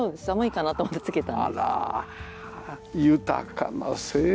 寒いかなと思ってつけたんです。